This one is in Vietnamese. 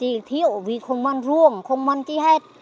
cây cây không thiếu vì không măn ruộng không măn chi hết